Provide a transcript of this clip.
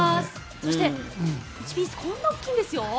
そして、１ピースこんなに大きいんですよ。